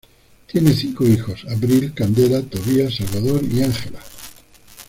Tiene cinco hijos: Avril, Candela, Tobías, Salvador y Ángela.